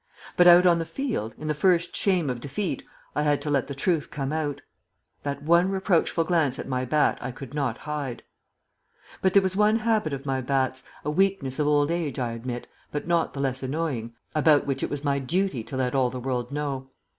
But out on the field, in the first shame of defeat, I had to let the truth come out. That one reproachful glance at my bat I could not hide. But there was one habit of my bat's a weakness of old age, I admit, but not the less annoying about which it was my duty to let all the world know.